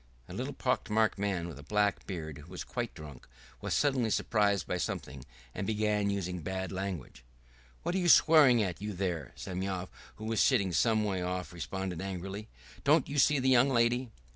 A little pock marked man with a black beard, who was quite drunk, was suddenly surprised by something and began using bad language. "What are you swearing at, you there?" Semyon, who was sitting some way off, responded angrily. "Don't you see the young lady?"